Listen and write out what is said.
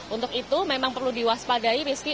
untuk itu memang perlu diwaspadai rizky